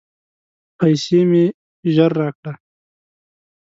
پیسې مي ژر راکړه !